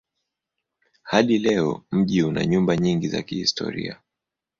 Hadi leo mji una nyumba nyingi za kihistoria.